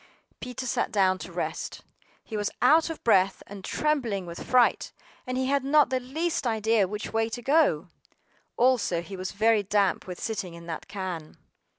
PETER sat down to rest; he was out of breath and trembling with fright, and he had not the least idea which way to go. Also he was very damp with sitting in that can.